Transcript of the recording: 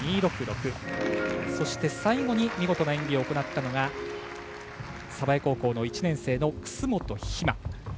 そして、最後に見事な演技を行ったのが鯖江高校の１年生の楠元妃真。